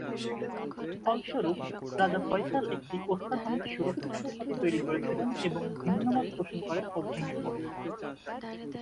ফলস্বরূপ, রাজা ফয়সাল একটি অত্যাধুনিক সুরক্ষা যন্ত্রপাতি তৈরি করেছিলেন এবং ভিন্নমত পোষণ করেন ও ভেঙে পড়েন।